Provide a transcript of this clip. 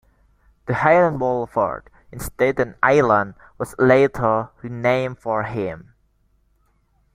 The Hylan Boulevard in Staten Island was later renamed for him.